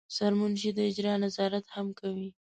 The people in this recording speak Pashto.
سرمنشي د اجرا نظارت هم کوي.